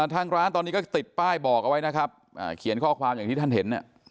ทางร้านตอนนี้ก็ติดป้ายบอกเอาไว้นะครับเขียนข้อความอย่างที่ท่านเห็น